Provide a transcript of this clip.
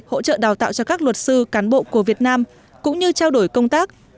hỗ trợ đào tạo cho các luật sư cán bộ của việt nam cũng như trao đổi công tác